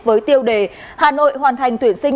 với tiêu đề hà nội hoàn thành tuyển sinh